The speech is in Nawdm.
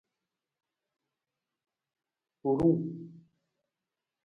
Huurung.